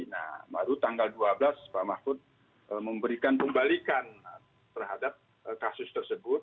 nah baru tanggal dua belas pak mahfud memberikan pembalikan terhadap kasus tersebut